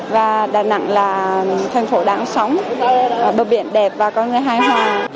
và đà nẵng là thành phố đáng sống bờ biển đẹp và con người hài hòa